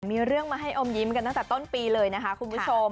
มีเรื่องมาให้อมยิ้มกันตั้งแต่ต้นปีเลยนะคะคุณผู้ชม